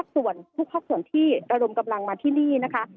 ส่วนทุกภาคส่วนที่ระดมกำลังมาที่นี่นะคะ